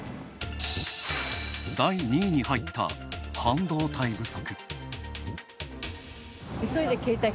第２位に入った、半導体不足。